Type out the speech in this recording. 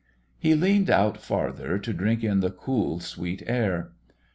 He leaned out farther to drink in the cool, sweet air.